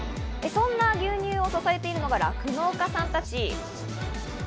そんな牛乳を支えているのが酪農家さんたち。